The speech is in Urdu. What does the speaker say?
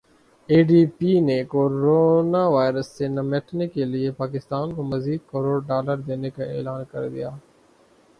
اے ڈی بی نے کورونا وائرس سے نمٹنے کیلئے پاکستان کو مزید کروڑ ڈالر دینے کا اعلان کردیا